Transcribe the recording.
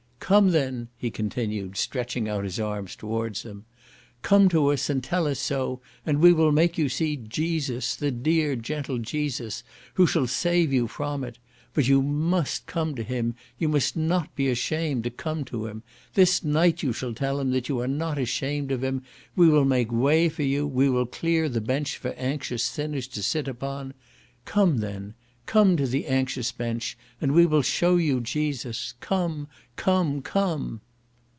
"Come, then!" he continued, stretching out his arms towards them, "come to us, and tell us so, and we will make you see Jesus, the dear gentle Jesus, who shall save you from it. But you must come to him! You must not be ashamed to come to him! This night you shall tell him that you are not ashamed of him; we will make way for you; we will clear the bench for anxious sinners to sit upon. Come, then! come to the anxious bench, and we will shew you Jesus! Come! Come! Come!"